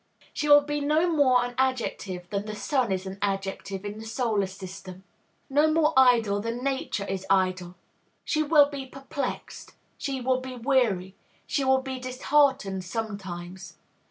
She will be no more an adjective than the sun is an adjective in the solar system; no more idle than Nature is idle. She will be perplexed; she will be weary; she will be disheartened, sometimes.